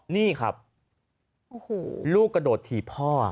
นี่ครับลูกกระโดดถีบพ่อ